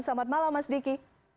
selamat malam mas diki